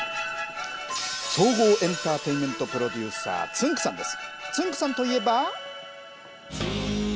総合エンターテインメントプロデューサーつんく♂さんです。